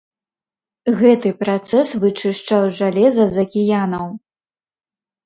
Гэты працэс вычышчаў жалеза з акіянаў.